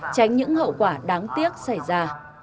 tránh những hậu quả đáng tiếc xảy ra